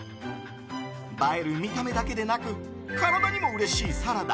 映える見た目だけでなく体にもうれしいサラダ。